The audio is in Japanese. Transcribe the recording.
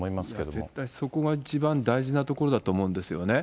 絶対そこが一番大事なところだと思うんですよね。